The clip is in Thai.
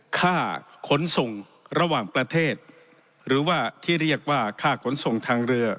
ค่าขนส่งระหว่างประเทศหรือว่าที่เรียกว่าค่าขนส่งทางเรือ